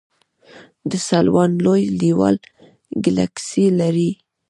د سلوان لوی دیوال ګلکسي لري.